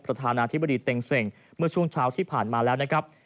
ประธานาธิบดีเต็งเส่งเมื่อช่วงเช้าที่ผ่านมาแล้วนะครับ